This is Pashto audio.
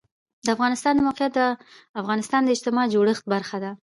د افغانستان د موقعیت د افغانستان د اجتماعي جوړښت برخه ده.